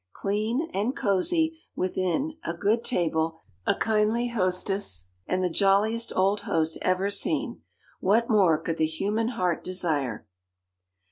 Clean and cosy within, a good table, a kindly hostess, and the jolliest old host ever seen! what more could the human heart desire?